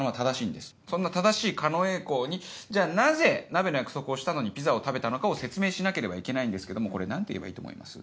そんな正しい狩野英孝にじゃあなぜ鍋の約束をしたのにピザを食べたのかを説明しなければいけないんですけどもこれ何て言えばいいと思います？